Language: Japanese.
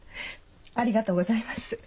ありがとうございます。